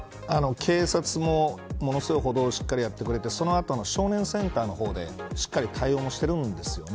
警察も、ものすごい補導をしっかりやってくれてその後の少年センターの方でしっかり対応もしてるんですよね。